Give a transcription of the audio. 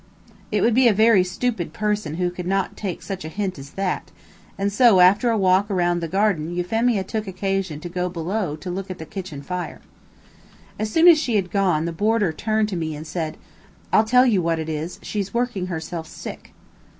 It would be a very stupid person who could not take such a hint as that, and so, after a walk around the garden, Euphemia took occasion to go below to look at the kitchen fire. As soon as she had gone, the boarder turned to me and said: "I'll tell you what it is. She's working herself sick."